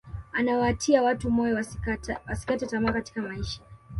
anawatia watu moyo wasikate tamaa katika maisha